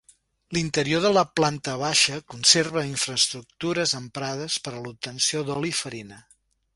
L'interior de la planta baixa conserva infraestructures emprades per a l'obtenció d'oli i farina.